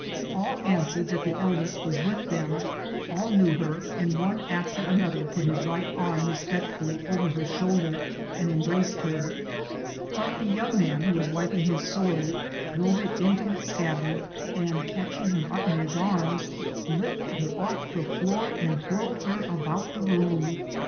All answered that the eldest was with them ; all knew her, and one after another put his right arm respect fully over her shoulder and embraced her ; but the young man who was wiping his sword drove it into its scabbard, and, catching her up in his arms, lifted her off the floor and whirled her about the room.